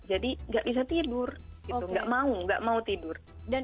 jadi tidak bisa tidur tidak mau tidak mau tidur